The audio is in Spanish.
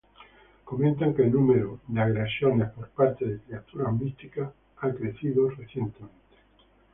Comentan que el número de agresiones por parte de criaturas místicas ha crecido recientemente.